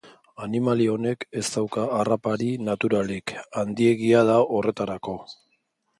Animali honek ez dauka harrapari naturalik, handiegia da horretarako.